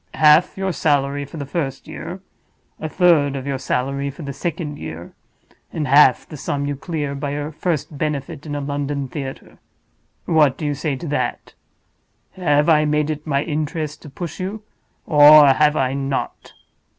Half your salary for the first year; a third of your salary for the second year; and half the sum you clear by your first benefit in a London theater. What do you say to that? Have I made it my interest to push you, or have I not?"